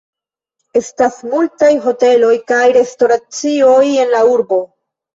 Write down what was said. Estas multaj hoteloj kaj restoracioj en la urbo.